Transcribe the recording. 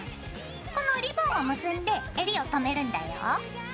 このリボンを結んでえりを留めるんだよ。